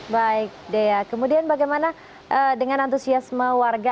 baik dea kemudian bagaimana dengan antusiasme warga